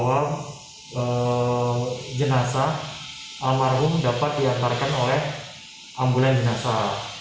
jangan lupa jika ada jenazah almarhum dapat diantarkan oleh ambulan jenazah